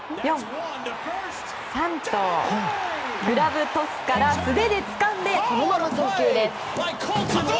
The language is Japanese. ６、４、３とグラブトスから素手でつかんでそのまま送球です。